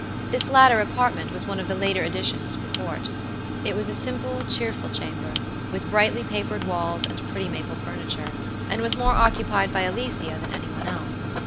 This latter apartment was one of the later additions to the Court. It was a simple, cheerful chamber, with brightly papered walls and pretty maple furniture, and was more occupied by Alicia than any one else.